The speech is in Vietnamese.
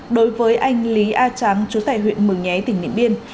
đối với anh lý a tráng chú tài huyện mường nhé tỉnh điện biên